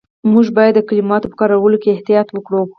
موږ باید د کلماتو په کارولو کې احتیاط وکړو.